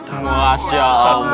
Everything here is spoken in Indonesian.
hei tunggu dong